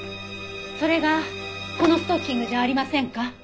それがこのストッキングじゃありませんか？